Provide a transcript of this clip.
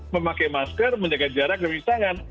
memakai masker menjaga jarak dan menjaga tangan